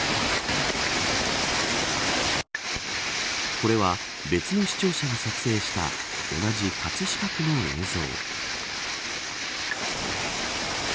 これは、別の視聴者が撮影した同じ葛飾区の映像。